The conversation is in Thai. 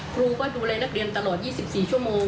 ครูก็ดูแลนักเรียนตลอด๒๔ชั่วโมง